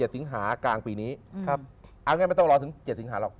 สิงหากลางปีนี้เอางั้นไม่ต้องรอถึง๗สิงหาหรอก